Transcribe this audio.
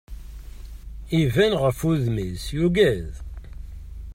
Iban ɣef wudem-is yugad.